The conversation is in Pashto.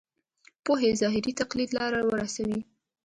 پوهې ظاهري تقلید لاره ورسوي.